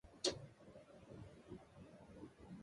バレアレス諸島州の州都はパルマ・デ・マヨルカである